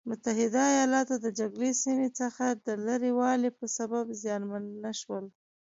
متحده ایلاتو د جګړې سیمې څخه د لرې والي په سبب زیانمن نه شول.